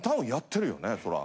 そら。